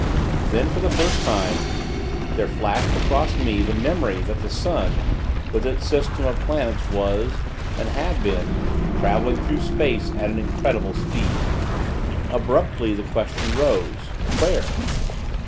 Then, for the first time, there flashed across me, the memory that the sun, with its system of planets, was, and had been, traveling through space at an incredible speed. Abruptly, the question rose _Where?